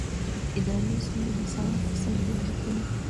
اداري اصول د مساوات اصل پیاوړی کوي.